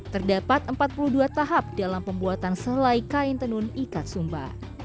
terdapat empat puluh dua tahap dalam pembuatan selai kain tenun ikat sumba